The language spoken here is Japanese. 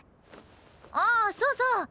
ああそうそう。